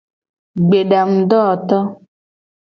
Gbedangudowoto.